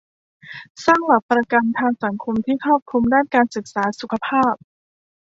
สร้างหลักประกันทางสังคมที่ครอบคลุมด้านการศึกษา สุขภาพ